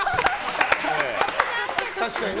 確かにね。